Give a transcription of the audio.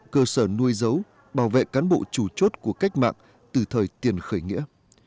cơ sở nuôi dấu bảo vệ cán bộ chủ chốt của cách mạng từ thời tiền khởi nghĩa